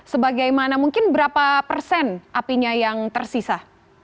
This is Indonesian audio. sebagai mana mungkin berapa persen apinya yang tersisa